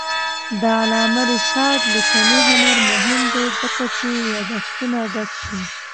د علامه رشاد لیکنی هنر مهم دی ځکه چې یادښتونه ډک دي.